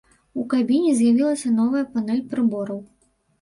У кабіне з'явілася новая панэль прыбораў.